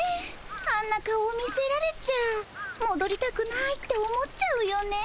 あんな顔を見せられちゃもどりたくないって思っちゃうよね。